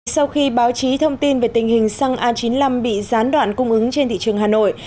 sau khi báo chí thông tin về tình hình xăng a chín mươi năm bị gián đoạn cung ứng trên thị trường hà nội